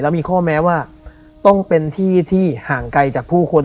มีข้อแม้ว่าต้องเป็นที่ที่ห่างไกลจากผู้คน